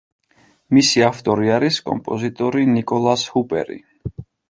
მისი ავტორი არის კომპოზიტორი ნიკოლას ჰუპერი.